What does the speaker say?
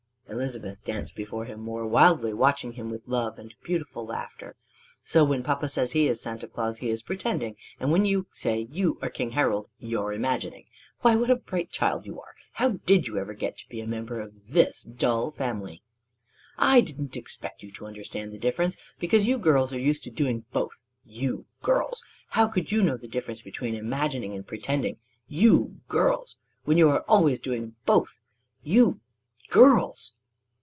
Elizabeth danced before him more wildly, watching him with love and beautiful laughter: "So when papa says he is Santa Claus, he is pretending! And when you say you are King Harold, you're imagining! Why, what a bright child you are! How did you ever get to be a member of this dull family?" "I didn't expect you to understand the difference, because you girls are used to doing both you girls! How could you know the difference between imagining and pretending you girls! When you are always doing both you girls!"